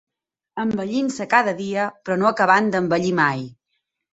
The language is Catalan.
Envellint-se cada dia, però no acabant d'envellir mai